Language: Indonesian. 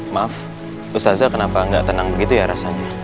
maaf ustadznya kenapa gak tenang begitu ya rasanya